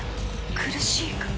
苦しいか？